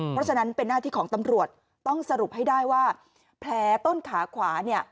เพราะฉะนั้นเป็นหน้าที่ของตำรวจต้องสรุปให้ได้ว่าแผลต้นขาขวาเนี่ย